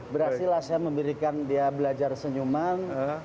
berhasillah saya memberikan dia belajar senyuman